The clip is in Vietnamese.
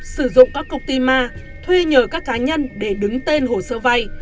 sử dụng các cục ti ma thuê nhờ các cá nhân để đứng tên hồ sơ vay